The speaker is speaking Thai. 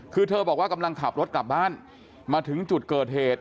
คือเธอบอกว่ากำลังขับรถกลับบ้านมาถึงจุดเกิดเหตุ